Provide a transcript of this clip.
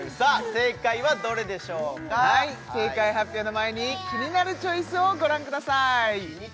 正解はどれでしょうか正解発表の前に「キニナルチョイス」をご覧ください